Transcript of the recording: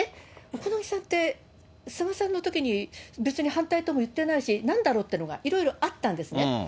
小此木さんって菅さんのときに、別に反対とも言ってないし、なんだろうっていうのが、いろいろあったんですね。